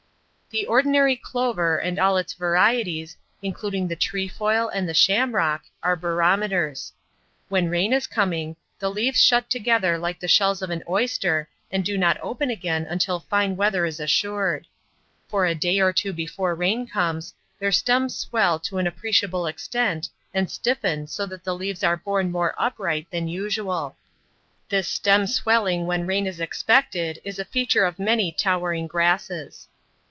The ordinary clover and all its varieties, including the trefoil and the shamrock, are barometers. When rain is coming, the leaves shut together like the shells of an oyster and do not open again until fine weather is assured. For a day or two before rain comes their stems swell to an appreciable extent and stiffen so that the leaves are borne more upright than usual. This stem swelling when rain is expected is a feature of many towering grasses.